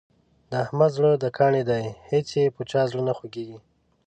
د احمد زړه د کاڼي دی هېڅ یې په چا زړه نه خوږېږي.